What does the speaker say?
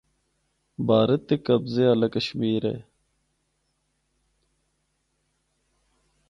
بھارت دے قبضے آلہ کشمیر اے۔